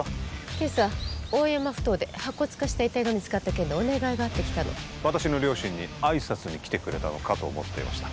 今朝大山ふ頭で白骨化した遺体が見つかった件でお願いがあってきたの私の両親に挨拶に来てくれたのかと思っていました